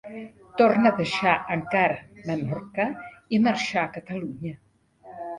Tornà a deixar encara Menorca i marxà a Catalunya.